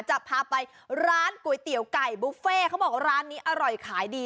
จะพาไปร้านก๋วยเตี๋ยวไก่บุฟเฟ่เขาบอกร้านนี้อร่อยขายดี